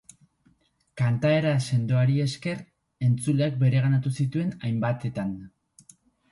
Kantaera sendoari esker, entzuleak bereganatu zituen hainbatetan.